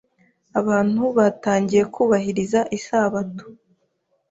abantu batangiye kubahiriza Isabato